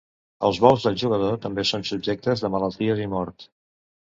Els bous del jugador també són subjectes de malalties i mort.